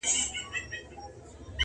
کښېنولي یې په غم کي توتکۍ دي -